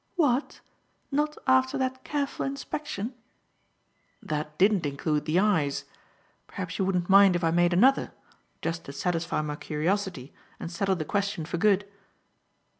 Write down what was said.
"What! Not after that careful inspection?" "That didn't include the eyes. Perhaps you wouldn't mind if I made another, just to satisfy my curiosity and settle the question for good."